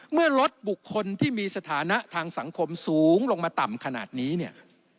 เมื่อลดบุคคลที่มีสถานะทางสังคมสูงลงมาต่ำขนาดนี้เนี่ย